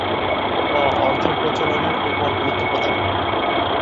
ক. অর্থের প্রচলনের ওপর গুরুত্ব প্রদান